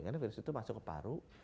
karena virus itu masuk ke paru